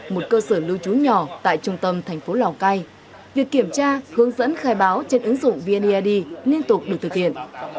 một cơ sở lưu trú nhỏ tại trung tâm thành phố lào cai việc kiểm tra hướng dẫn khai báo trên ứng dụng vneid liên tục được thực hiện